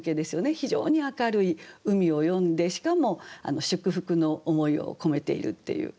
非常に明るい海を詠んでしかも祝福の思いを込めているっていう。